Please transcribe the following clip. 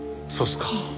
そうですか。